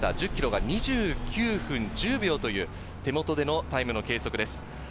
１０ｋｍは２９分１０秒という手元でのタイムの計測です。